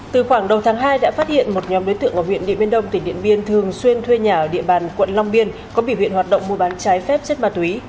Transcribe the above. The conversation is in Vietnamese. từ khoảng đầu tháng hai đã phát hiện một nhóm đối tượng ở huyện điện biên đông tỉnh điện biên thường xuyên thuê nhà ở địa bàn quận long biên có biểu hiện hoạt động mua bán trái phép chất ma túy